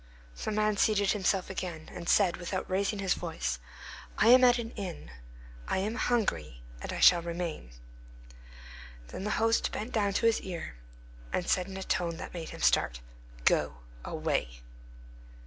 The man seated himself again, and said, without raising his voice, "I am at an inn; I am hungry, and I shall remain." Then the host bent down to his ear, and said in a tone which made him start, "Go away!"